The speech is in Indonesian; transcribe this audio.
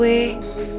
tadi ada pak rw